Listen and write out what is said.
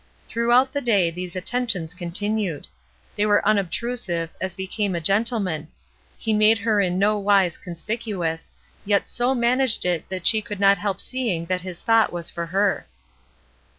Throughout the day these attentions continued. They were unobtrusive, as became a gentleman ; he made her in no wise conspicuous, yet so managed it that she could not help seeing that his thought was for her.